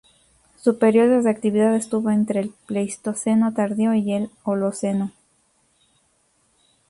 Su período de actividad estuvo entre el Pleistoceno tardío y el Holoceno.